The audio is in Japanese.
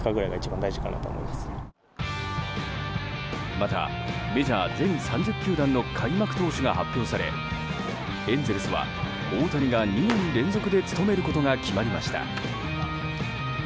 また、メジャー全３０球団の開幕投手が発表されエンゼルスは大谷が２年連続で務めることが決まりました。